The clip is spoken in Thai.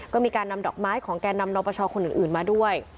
ก็มีการนำดอกไม้ของแก่นำนปชคนอื่นมาด้วย